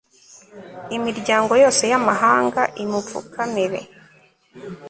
imiryango yose y'amahanga imupfukamire